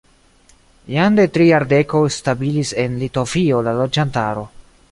Jam de tri jardekoj stabilis en Litovio la loĝantaro.